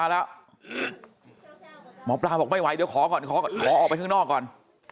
แล้วหมอปลาบอกไม่ไหวเดี๋ยวขอก่อนขอออกไปข้างนอกก่อน